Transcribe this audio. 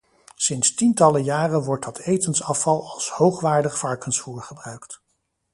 Sinds tientallen jaren wordt dat etensafval als hoogwaardig varkensvoer gebruikt.